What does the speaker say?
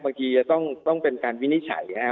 จะต้องเป็นการวินิจฉัยนะครับ